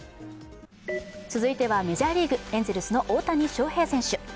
続いてはメジャーリーグエンゼルスの大谷翔平選手。